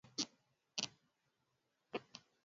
nje ya ndoa ya familia ya mkulima bwanyenye